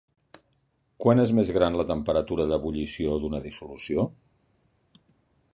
Quan és més gran la temperatura d'ebullició d'una dissolució?